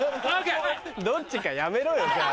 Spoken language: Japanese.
どっちかやめろよじゃあ。